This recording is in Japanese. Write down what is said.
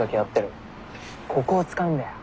ここを使うんだよ。